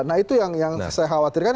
nah itu yang saya khawatirkan